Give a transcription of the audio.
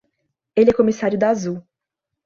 Ele é comissário da Azul.